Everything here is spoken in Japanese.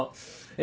え？